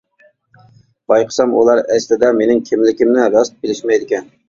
بايقىسام ئۇلار ئەسلىدە مېنىڭ، كىملىكىمنى راست بىلىشمەيدىكەن.